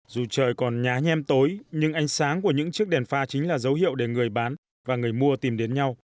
dù trời còn nhá nhem tối nhưng ánh sáng của những chiếc đèn pha chính là dấu hiệu để người bán và người mua tìm đến nhau